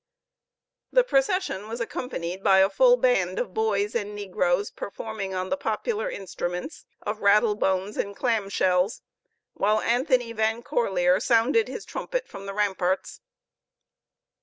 The procession was accompanied by a full band of boys and negroes, performing on the popular instruments of rattle bones and clam shells, while Anthony Van Corlear sounded his trumpet from the ramparts.